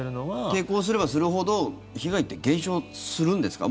抵抗すれば抵抗するほど被害って減少するんですか？